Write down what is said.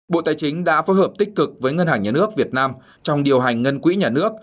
bộ tài chính đã phối hợp tích cực với ngân hàng nhà nước việt nam trong điều hành ngân quỹ nhà nước